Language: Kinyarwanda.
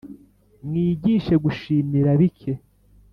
mwigishe gushimira bike